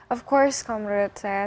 of course kalau menurut saya